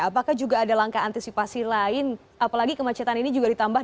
apakah juga ada langkah antisipasi lain apalagi kemacetan ini juga ditambah